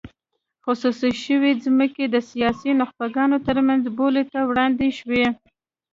خصوصي شوې ځمکې د سیاسي نخبګانو ترمنځ بولۍ ته وړاندې شوې.